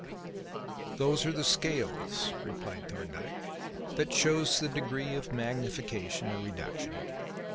"Those are the scales," replied Thorndyke, "that shows the degree of magnification or reduction.